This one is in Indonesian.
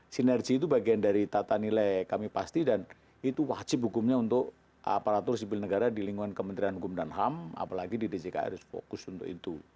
sinergi itu bagian dari tata nilai kami pasti dan itu wajib hukumnya untuk aparatur sipil negara di lingkungan kementerian hukum dan ham apalagi di djk harus fokus untuk itu